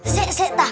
sik sik tak